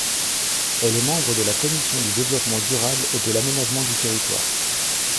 Elle est membre de la Commission du Développement durable et de l'Aménagement du territoire.